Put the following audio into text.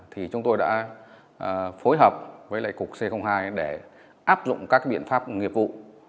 thì chúng tôi đã phối hợp với lại cục c hai để áp dụng các biện pháp nghiệp vụ